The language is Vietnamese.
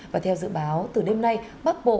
và theo dự báo từ đêm nay bắc bộ